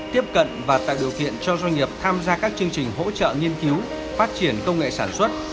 tiếp cận và tạo điều kiện cho doanh nghiệp tham gia các chương trình hỗ trợ nghiên cứu phát triển công nghệ sản xuất